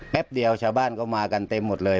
เดียวชาวบ้านก็มากันเต็มหมดเลย